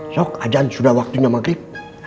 sok ajaan sudah waktunya maghrib